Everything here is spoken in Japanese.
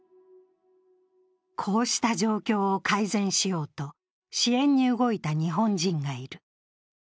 こうした状況を改善しようと支援に動いた日本人がいる。